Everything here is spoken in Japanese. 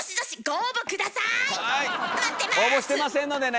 応募してませんのでね！